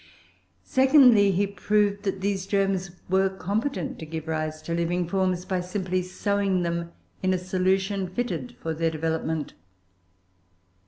Secondly, he proved that these germs were competent to give rise to living forms by simply sowing them in a solution fitted for their development.